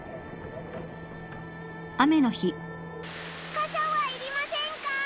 かさは要りませんかー？